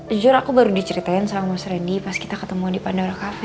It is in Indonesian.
sejujur aku baru diceritain sama mas rendy pas kita ketemu di pandora cafe